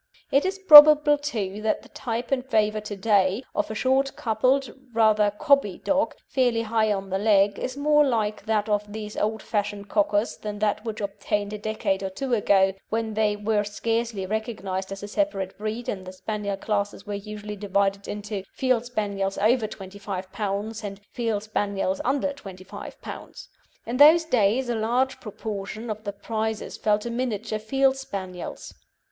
It is probable too that the type in favour to day, of a short coupled, rather "cobby" dog, fairly high on the leg, is more like that of these old fashioned Cockers than that which obtained a decade or two ago, when they were scarcely recognised as a separate breed, and the Spaniel classes were usually divided into "Field Spaniels over 25 lb." and "Field Spaniels under 25 lb." In those days a large proportion of the prizes fell to miniature Field Spaniels.